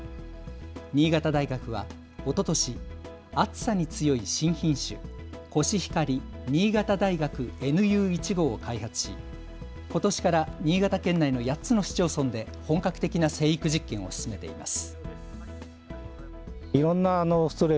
新潟大学はおととし暑さに強い新品種、コシヒカリ新潟大学ＮＵ１号を開発し、ことしから新潟県内の８つの市町村で本格的な生育実験を進めています。